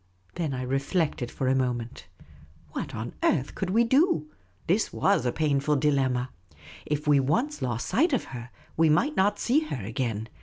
Then I reflected for a moment. What on earth could we do ? This was a painful dilemma. If we once lost sight of her, we might not see her again.